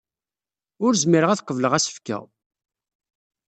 Ur zmireɣ ad qebleɣ asefk-a.